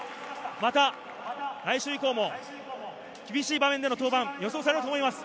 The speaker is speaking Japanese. また来週以降も厳しい場面での登板が予想されると思います。